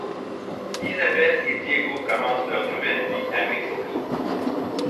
Isabel et Diego commencent leur nouvelle vie à Mexico.